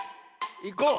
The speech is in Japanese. いこう。